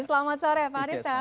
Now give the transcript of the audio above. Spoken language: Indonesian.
selamat sore pak arief ya